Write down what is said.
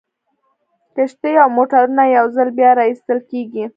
کښتۍ او موټرونه یو ځل بیا را ایستل کیږي